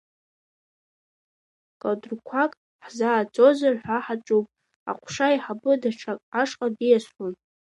Кадрқәак ҳзааӡозар ҳәа ҳаҿуп, аҟәша аиҳабы даҽак ашҟа диасуан.